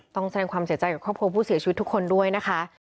แสดงความเสียใจกับครอบครัวผู้เสียชีวิตทุกคนด้วยนะคะ